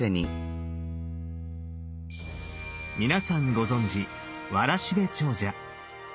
皆さんご存じ「わらしべ長者」。